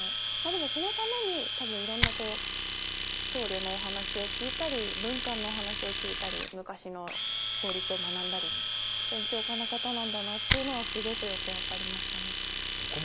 でもそのために多分いろんな僧侶のお話を聞いたり文官のお話を聞いたり昔の法律を学んだり勉強家な方なんだなというのはすごくよく分かりましたね。